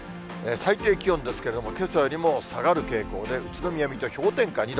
最低気温ですけれども、けさよりも下がる傾向で、宇都宮、水戸、氷点下２度。